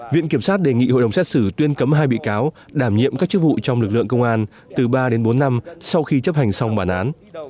viện kiểm sát đề nghị hội đồng xét xử tuyên cấm hai bị cáo đảm nhiệm các chức vụ trong lực lượng công an từ ba đến bốn năm sau khi chấp hành xong bản án